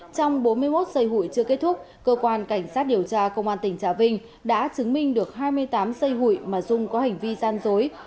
trong bốn mươi một giây hụi chưa kết thúc cơ quan cảnh sát điều tra công an tỉnh trà vinh đã chứng minh được hai mươi tám dây hụi mà dung có hành vi gian dối